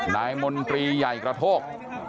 นายมนตรีใหญ่กระโทก